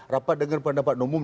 rapat dengan pendapat umum